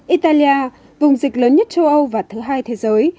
italia vùng dịch lớn nhất châu âu và thứ hai thế giới